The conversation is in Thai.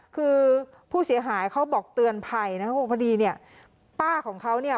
คือผู้เสียหายเขาบอกเตือนภัยนะครับว่าพอดีเนี่ยป้าของเขาเนี่ย